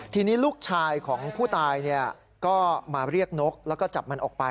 ทีนี้ลูกชายของผู้ตายก็มาเรียกนกแล้วก็จับมันออกไป